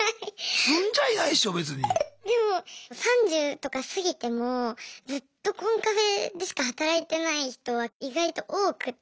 でも３０とか過ぎてもずっとコンカフェでしか働いてない人は意外と多くて。